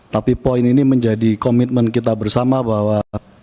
tapi poin ini menjadi komitmen kita bersama bahwa